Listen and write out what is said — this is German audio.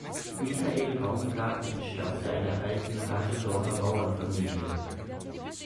Michael Baumgarten entstammte einer alten Haseldorfer Bauernfamilie.